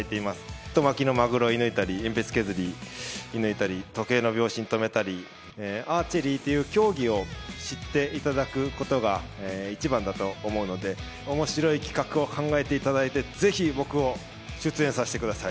太巻きのマグロを射抜いたり、鉛筆削り射抜いたり、時計の秒針止めたり、アーチェリーという競技を知っていただくことが、一番だと思うので、おもしろい企画を考えていただいて、ぜひ僕を出演させてください。